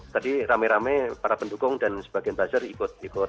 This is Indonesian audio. tadi rame rame para pendukung dan sebagian buzzer ikut ikut